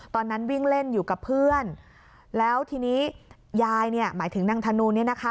ตอนนั้นวิ่งเล่นอยู่กับเพื่อนแล้วทีนี้ยายเนี่ยหมายถึงนางธนูเนี่ยนะคะ